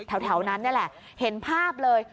แถวนั้นนี่แหละเห็นภาพเลย